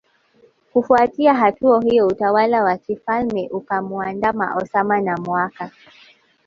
Kufuatia hatua hiyo utawala wa kifalme ukamuandama Osama na mwaka